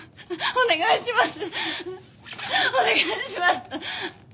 お願いします。